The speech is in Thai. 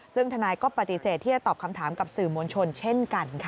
ซึ่งทนายก็ปฏิเสธที่จะตอบคำถามกับสื่อมวลชนเช่นกันค่ะ